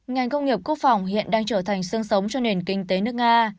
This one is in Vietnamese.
ngành công nghiệp quốc phòng hiện đang trở thành sương sống cho nền kinh tế nước nga